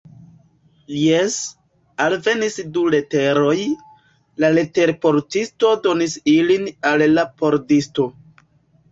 Jes, alvenis du leteroj, la leterportisto donis ilin al la pordisto.